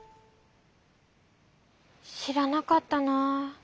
しらなかったな。